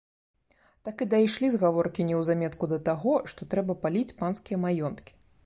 Так і дайшлі з гаворкі неўзаметку да таго, што трэба паліць панскія маёнткі.